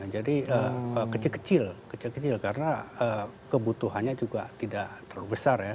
jadi kecil kecil kecil kecil karena kebutuhannya juga tidak terlalu besar ya